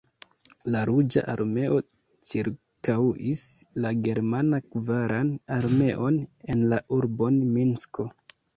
La Ruĝa Armeo ĉirkaŭis la Germana Kvaran Armeon en la urbon Minsko.